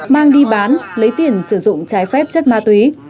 mang đi bán lấy tiền sử dụng trái phép chất ma túy